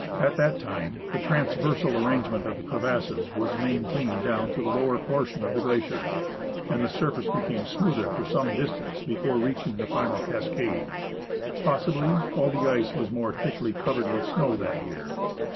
At that time the transversal arrangement of the crevasses was maintained down to the lower portion of the glacier, and the surface became smoother for some distance before reaching the final cascade. Possibly, all the ice was more thickly covered with snow that year.